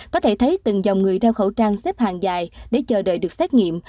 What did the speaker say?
có thể thấy từng dòng người đeo khẩu trang xếp hàng dài để chờ đợi được xét nghiệm